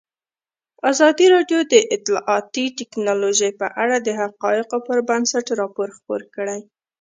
ازادي راډیو د اطلاعاتی تکنالوژي په اړه د حقایقو پر بنسټ راپور خپور کړی.